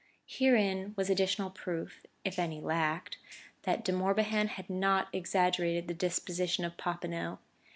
Herein was additional proof, if any lacked, that De Morbihan had not exaggerated the disposition of Popinot.